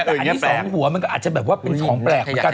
แต่อันนี้สองหัวมันก็อาจจะแบบว่าเป็นของแปลกเหมือนกัน